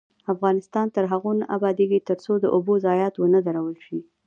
افغانستان تر هغو نه ابادیږي، ترڅو د اوبو ضایعات ونه درول شي.